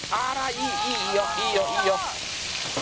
いいよいいよいいよ！